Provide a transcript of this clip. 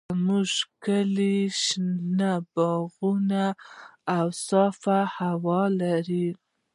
زموږ کلی شنه باغونه او صافه هوا لري.